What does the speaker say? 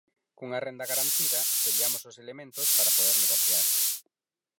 Cunha renda garantida teriamos os elementos para poder negociar.